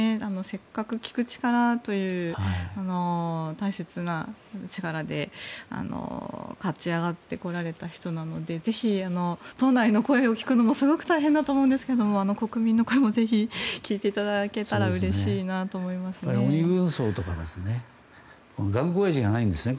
せっかく聞く力という大切な力で勝ち上がってこられた人なのでぜひ、党内を声を聞くのもすごく大変だと思うんですけど国民の声もぜひ聞いていただけたら鬼軍曹とか頑固おやじがいないんですね